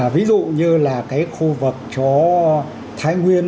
ví dụ như là khu vực chỗ thái nguyên